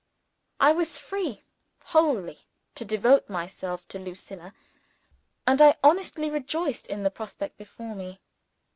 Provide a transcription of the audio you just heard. I was free wholly to devote myself to Lucilla; and I honestly rejoiced in the prospect before me.